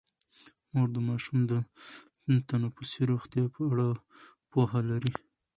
مور د ماشومانو د تنفسي روغتیا په اړه پوهه لري.